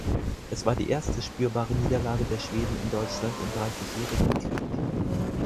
Es war die erste spürbare Niederlage der Schweden in Deutschland im Dreißigjährigen Krieg.